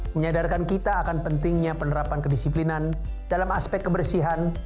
menyadarkan kita akan pentingnya penerapan kedisiplinan dalam aspek kebersihan